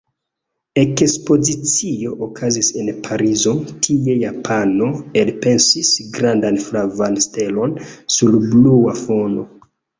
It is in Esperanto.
Ekspozicio okazis en Parizo: tie japano elpensis grandan flavan stelon sur blua fono.